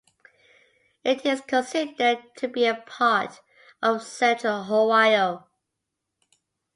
It is considered to be a part of "Central Ohio".